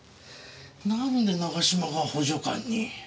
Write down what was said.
なんで永嶋が補助官に。